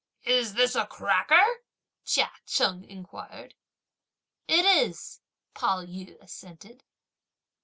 "Is this a cracker?" Chia Cheng inquired. "It is," Pao yü assented.